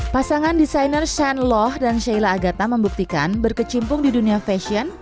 pasangan desainer shan loh dan sheila agatha membuktikan berkecimpung di dunia fashion